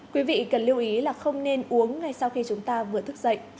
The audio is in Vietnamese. quý vị cần lưu ý là không nên uống ngay sau khi chúng ta vừa thức dậy